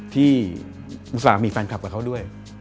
อุตส่าห์มีแฟนคลับกับเขาด้วย